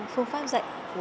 phương pháp dạy